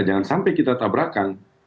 jangan sampai kita tabrakan